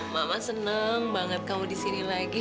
mama seneng banget kamu di sini lagi